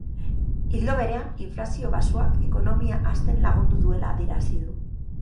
Ildo berean, inflazio baxuak ekonomia hazten lagundu duela adierazi du.